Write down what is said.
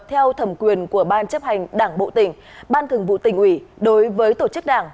theo thẩm quyền của ban chấp hành đảng bộ tỉnh ban thường vụ tỉnh ủy đối với tổ chức đảng